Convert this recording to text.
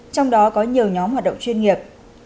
trong đó có nhiều nhóm hoạt động chuyên nghiệp